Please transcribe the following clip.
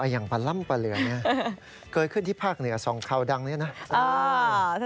อย่างปลาล้ำปลาเหลือเนี่ยเกิดขึ้นที่ภาคเหนือสองเขาดังเนี่ยนะ